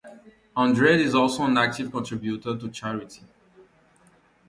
Andrade is also an active contributor to charity.